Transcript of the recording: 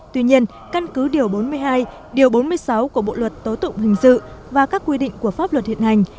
tuy nhiên căn cứ điều bốn mươi hai điều bốn mươi sáu của bộ luật tố tụng hình sự và các quy định của pháp luật hiện hành